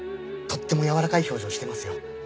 とっても柔らかい表情してますよ。